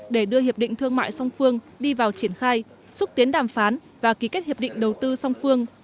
để đưa hiệp định thương mại song phương đi vào triển khai xúc tiến đàm phán và ký kết hiệp định đầu tư song phương